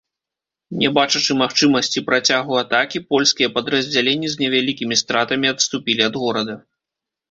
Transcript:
Не бачачы магчымасці працягу атакі, польскія падраздзяленні з невялікімі стратамі адступілі ад горада.